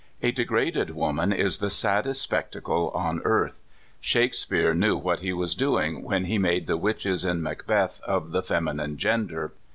A degraded woman is the saddest spectacle on earth. Shakes peare knew what he was doing when he made the witches in Macbeth of the feminine gender.